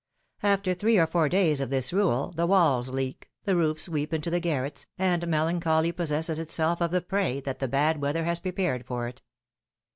After three or four days of this rule, the walls leak, the roofs weep into the garrets, and melancholy possesses itself of the prey that the bad weather has prepared for it.